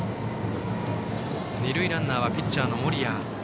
二塁ランナーはピッチャーの森谷。